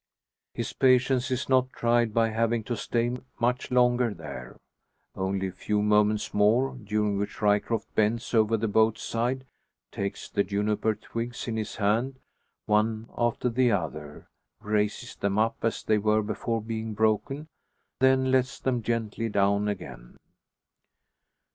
His patience is not tried by having to stay much longer there. Only a few moments more, during which Ryecroft bends over the boat's side, takes the juniper twigs in his hand, one after the other, raises them up as they were before being broken, then lets them gently down again!